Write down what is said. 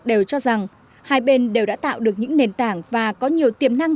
đều cho rằng hai bên đều đã tạo được những nền tảng và có nhiều tiềm năng